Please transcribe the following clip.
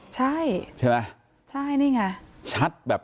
ใช่ใช่นี่ไง